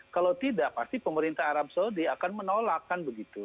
kalau tidak pasti pemerintah arab saudi akan menolakkan begitu